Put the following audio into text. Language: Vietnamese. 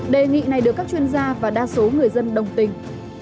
đề nghị này được các chuyên gia và đa số người dân đồng tình